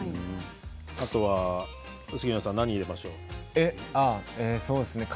あとは、杉野さん何を入れましょうか？